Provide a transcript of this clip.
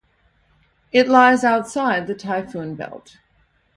It lies outside the typhoon belt.